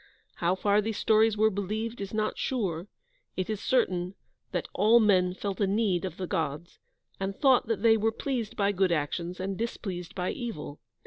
How far these stories were believed is not sure; it is certain that "all men felt a need of the Gods," and thought that they were pleased by good actions and displeased by evil.